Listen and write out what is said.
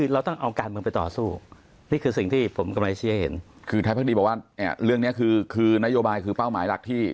เราต้องเอาการเมืองไปต่อสู้เสียทุกทางผมเห็น